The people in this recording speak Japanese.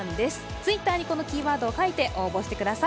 Ｔｗｉｔｔｅｒにこのキーワードを書いて応募してください。